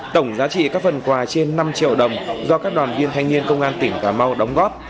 tổng giá trị các phần quà trên năm triệu đồng do các đoàn viên thanh niên công an tỉnh cà mau đóng góp